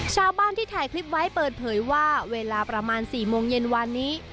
ชาวบ้านที่ถ่ายคลิปไว้เปิดเผยว่าเวลาประมาณ๔โมงเย็นวานนี้